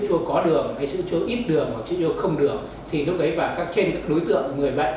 sữa chua đường hay sữa chua ít đường hoặc sữa chua không đường thì lúc đấy vào các trên các đối tượng người bệnh